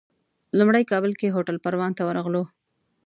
لومړی کابل کې هوټل پروان ته ورغلو.